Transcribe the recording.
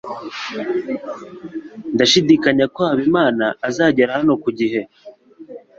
Ndashidikanya ko Habimana azagera hano ku gihe.